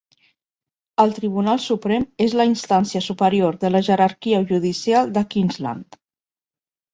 El Tribunal Suprem és la instància superior de la jerarquia judicial de Queensland.